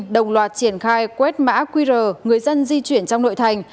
đồng loạt triển khai quét mã qr người dân di chuyển trong nội thành